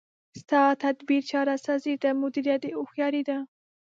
ستا تدبیر چاره سازي ده، مدیریت دی هوښیاري ده